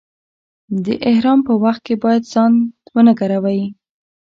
د احرام په وخت کې باید ځان و نه ګروئ.